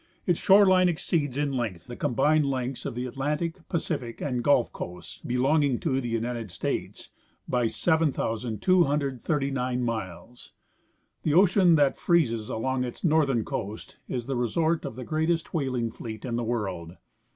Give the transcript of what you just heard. Its shore line exceeds in length the combined lengths of the Atlantic, Pacific and Gulf coasts belonging to the United States by 7,239 miles. The ocean that freezes along its northern coast is the resort of the greatest whaling fleet in the world.